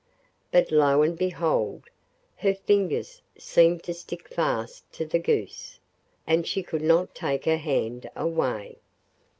But, lo and behold! her fingers seemed to stick fast to the goose, and she could not take her hand away.